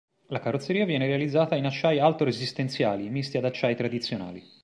La carrozzeria viene realizzata in acciai alto-resistenziali misti ad acciai tradizionali.